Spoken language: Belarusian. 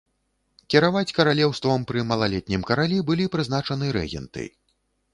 Кіраваць каралеўствам пры малалетнім каралі былі прызначаны рэгенты.